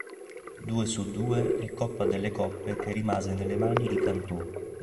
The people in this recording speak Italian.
Due su due e Coppa delle Coppe che rimase nelle mani di Cantù.